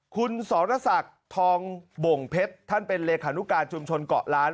คุณสรศักดิ์ทองบ่งเพชรท่านเป็นเลขานุการชุมชนเกาะล้าน